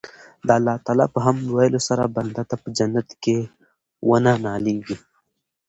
د الله تعالی په حمد ويلو سره بنده ته په جنت کي وَنه ناليږي